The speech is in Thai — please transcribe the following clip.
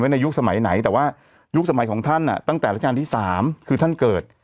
ในยุคสมัยไหนแต่ว่ายุคสมัยของท่านตั้งแต่ราชการที่๓คือท่านเกิด